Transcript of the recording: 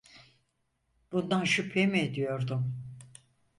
Bundan şüphe mi ediyordum?